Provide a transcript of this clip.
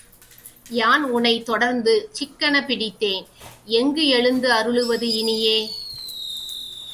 யான் உனைத் தொடர்ந்து சிக்கெனப் பிடித்தேன் எங்கு எழுந்து அருளுவது இனியே?